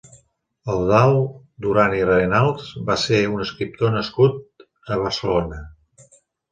Eudald Duran i Reynals va ser un escriptor nascut a Barcelona.